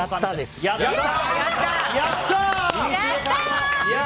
やったー！